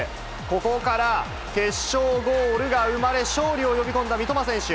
ここから決勝ゴールが生まれ、勝利を呼び込んだ三笘選手。